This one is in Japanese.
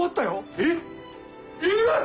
えっ⁉